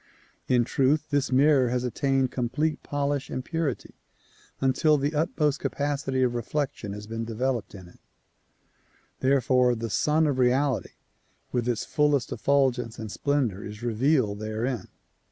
In truth this mirror has attained complete polish and purity until the utmost capacity of reflection has been developed in it, therefore the Sun of Reality with its fullest effulgence and splendor is revealed therein.